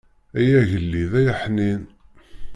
Ay agellid ay aḥnin.